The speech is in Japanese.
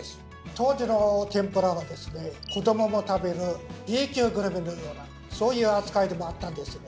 当時の天ぷらはですね子どもも食べるＢ級グルメのようなそういう扱いでもあったんですね。